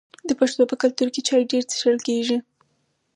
د پښتنو په کلتور کې چای ډیر څښل کیږي.